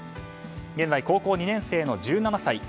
現在、高校２年生の１７歳。